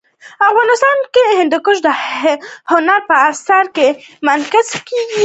افغانستان کې هندوکش د هنر په اثار کې منعکس کېږي.